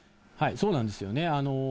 そうなんですよね。